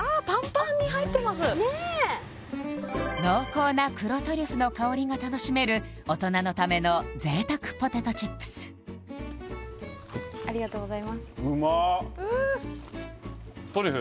ねえ濃厚な黒トリュフの香りが楽しめる大人のための贅沢ポテトチップスありがとうございますトリュフ？